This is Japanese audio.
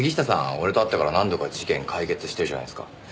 俺と会ってから何度か事件解決してるじゃないですか。